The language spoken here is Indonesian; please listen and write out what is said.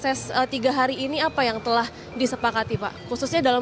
beritakan pak akhirnya pada proses tiga hari ini apa yang telah disepakati pak khususnya dalam